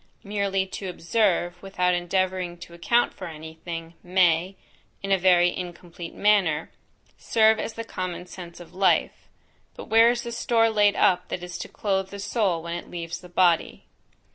Merely to observe, without endeavouring to account for any thing, may, (in a very incomplete manner) serve as the common sense of life; but where is the store laid up that is to clothe the soul when it leaves the body?